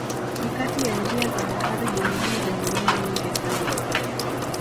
Ni kati ya njia za bahari duniani zenye meli nyingi sana.